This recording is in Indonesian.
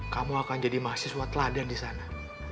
kamu akan jadi mahasiswa teladan di sana